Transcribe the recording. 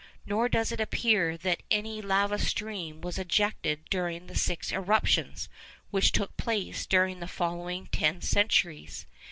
Nor does it appear that any lava stream was ejected during the six eruptions which took place during the following ten centuries.